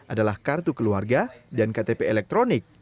adalah kartu keluarga dan ktp elektronik